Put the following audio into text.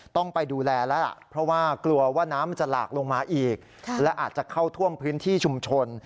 ต้องไปดูแลแล้วล่ะเพราะว่ากลัวว่าน้ำมันจะหลากลงมาอีกและอาจจะเข้าท่วมพื้นที่ชุมชน